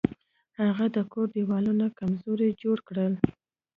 هغه د کور دیوالونه کمزوري جوړ کړل.